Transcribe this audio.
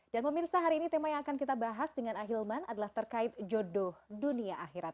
dan pemirsa hari ini tema yang akan kita bahas dengan ahilman adalah terkait jodoh dunia akhirat